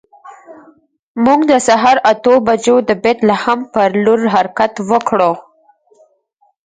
موږ د سهار اتو بجو د بیت لحم پر لور حرکت وکړ.